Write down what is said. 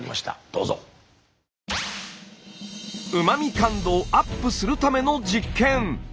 うま味感度をアップするための実験！